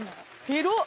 広っ！